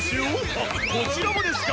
あっこちらもですか？